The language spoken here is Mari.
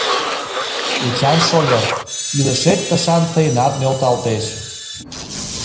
Эчан шольо, илышет тышан тыйынат нӧлталтеш.